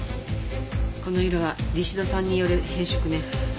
この色はリシド酸による変色ね。